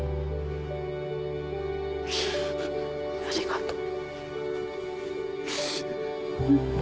ありがとう。